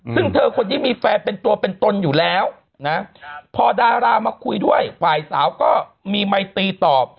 ซึ่งเธอคนนี้มีแฟนเป็นตัวเป็นตนอยู่แล้วนะพอดารามาคุยด้วยฝ่ายสาวก็มีไมตีตอบ